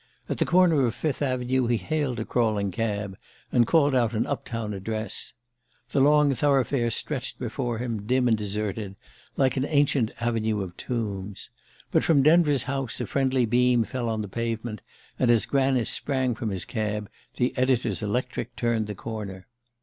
At the corner of Fifth Avenue he hailed a crawling cab, and called out an up town address. The long thoroughfare stretched before him, dim and deserted, like an ancient avenue of tombs. But from Denver's house a friendly beam fell on the pavement; and as Granice sprang from his cab the editor's electric turned the corner.